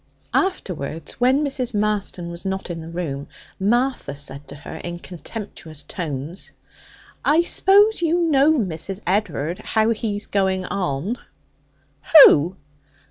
Afterwards, when Mrs. Marston was not in the room, Martha said in her contemptuous tones: 'I s'pose you know, Mrs. Ed'ard, how he's going on?' 'Who?'